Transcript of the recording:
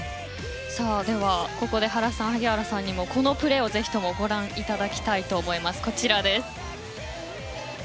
では、ここで原さん、萩原さんにこのプレーをぜひご覧いただきたいと思います。